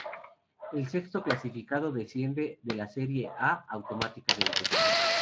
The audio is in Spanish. El sexto clasificado desciende de la "Serie A" automáticamente.